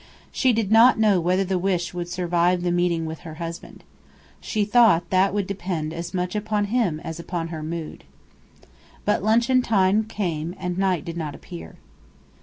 She did not know whether the wish would survive the meeting with her husband. She thought that would depend as much upon him as upon her mood. But luncheon time came and Knight did not appear.